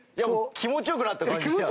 気持ちよくなった感じしたよ。